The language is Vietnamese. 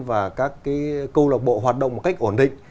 và các câu lạc bộ hoạt động một cách ổn định